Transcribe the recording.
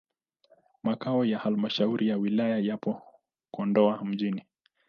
Makao ya halmashauri ya wilaya yapo Kondoa mjini.